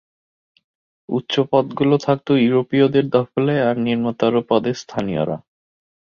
উচ্চ পদগুলো থাকত ইউরোপীয়দের দখলে আর নিম্নতর পদে স্থানীয়রা।